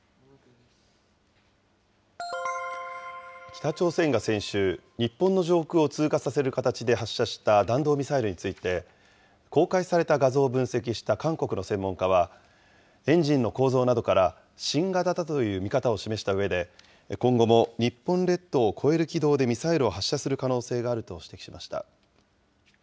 北朝鮮が先週、日本の上空を通過させる形で発射した弾道ミサイルについて、公開された画像を分析した韓国の専門家は、エンジンの構造などから新型だという見方を示したうえで、今後も日本列島を越える軌道でミサイルを発射する可能性があると指摘しました。